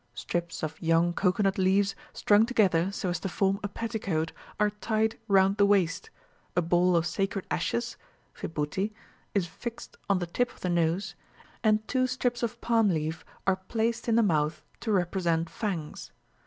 Strips of young cocoanut leaves, strung together so as to form a petticoat, are tied round the waist, a ball of sacred ashes (vibhuthi) is fixed on the tip of the nose, and two strips of palm leaf are placed in the mouth to represent fangs.